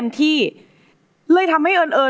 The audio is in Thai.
โปรดติดตามต่อไป